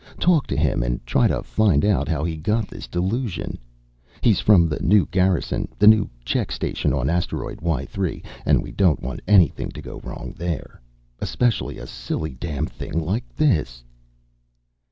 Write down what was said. Talk to him and try to find out how he got this delusion. He's from the new Garrison, the new check station on Asteroid Y 3, and we don't want anything to go wrong there. Especially a silly damn thing like this!